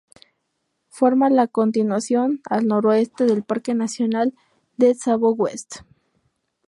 Forma la continuación al noroeste del Parque nacional de Tsavo West.